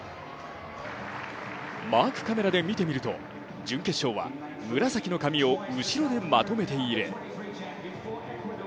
マークカメラで見てみると準決勝は紫の髪を後ろでまとめている。